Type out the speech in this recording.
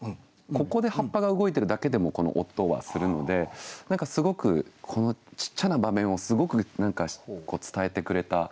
ここで葉っぱが動いてるだけでもこの音はするので何かすごくこのちっちゃな場面をすごく何か伝えてくれた。